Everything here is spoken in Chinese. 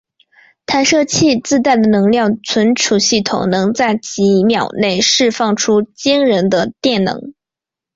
弹射器自带的能量存储系统能在几秒内释放出惊人的电能。